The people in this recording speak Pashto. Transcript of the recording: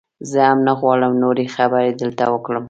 زه هم نه غواړم نورې خبرې دلته وکړم.